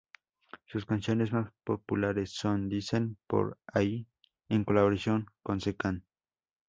Sus canciones más populares son "Dicen Por Ahí" en colaboración con C-Kan.